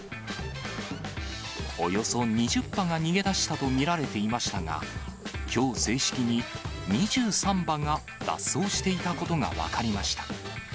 およそ２０羽が逃げ出したと見られていましたが、きょう、正式に２３羽が脱走していたことが分かりました。